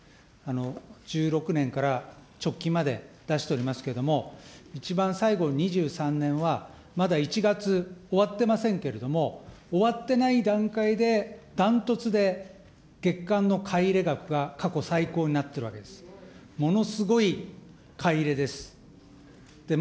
１６年から直近まで出しておりますけれども、一番最後、２３年は、まだ１月終わってませんけれども、終わってない段階でダントツで月間の買い入れ額が過去最高になってるわけです。